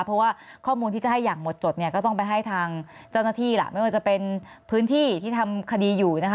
เพราะว่าข้อมูลที่จะให้อย่างหมดจดเนี่ยก็ต้องไปให้ทางเจ้าหน้าที่ล่ะไม่ว่าจะเป็นพื้นที่ที่ทำคดีอยู่นะคะ